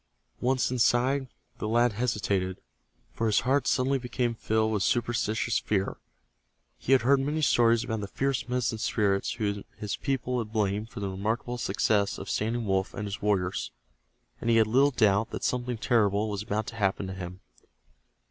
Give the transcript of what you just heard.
Once inside, the lad hesitated, for his heart suddenly became filled with superstitious fear. He had heard many stories about the fierce Medicine Spirits whom his people blamed for the remarkable success of Standing Wolf and his warriors, and he had little doubt that something terrible was about to happen to him.